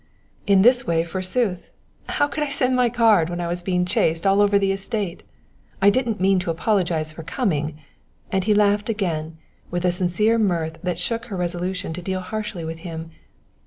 "In this way forsooth! How could I send in my card when I was being chased all over the estate! I didn't mean to apologize for coming" and he laughed again, with a sincere mirth that shook her resolution to deal harshly with him.